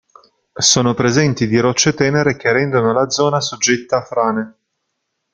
Sono presenti di rocce tenere, che rendono la zona soggetta a frane.